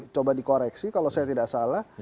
coba dikoreksi kalau saya tidak salah